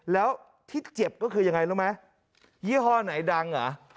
แล้วที่เจ็บก็คือยังไงรู้ไหมยี่ห้อไหนดังเหรอ